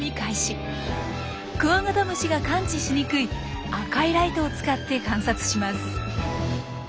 クワガタムシが感知しにくい赤いライトを使って観察します。